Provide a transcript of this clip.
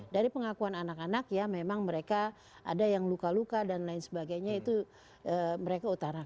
dari pengakuan anak anak ya memang mereka ada yang luka luka dan lain sebagainya itu mereka utarakan